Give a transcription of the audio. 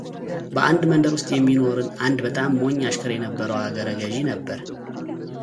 በአንድ መንደር ውስጥ የሚኖርና አንድ በጣም ሞኝ አሽከር የነበረው አገረ ገዢ ነበር፡፡